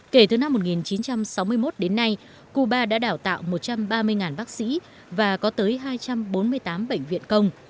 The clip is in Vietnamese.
kể từ năm một nghìn chín trăm sáu mươi một đến nay cuba đã đào tạo một trăm ba mươi bác sĩ và có tới hai trăm bốn mươi tám bệnh viện công